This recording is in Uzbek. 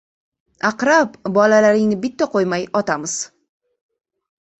Aqrab, bolalaringni bitta qo‘ymay otamiz!..